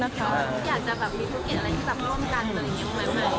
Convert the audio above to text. อยากจะมีธุรกิจอะไรที่จะพร้อมร่วมกันอยู่ไหม